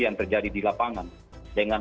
yang terjadi di lapangan dengan